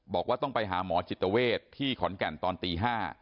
บอกว่าต้องไปหาหมอจิตเวทที่ขอนแก่นตอนตี๕